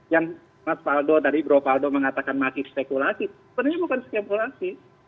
yang mas faldo tadi bro paldo mengatakan masih spekulasi sebenarnya bukan spekulasi